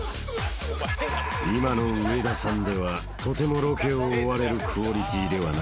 ［今の上田さんではとてもロケを終われるクオリティーではなかった］